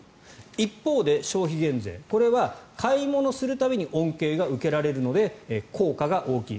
一方で消費減税これは買い物する度に恩恵が受けられるので効果が大きい。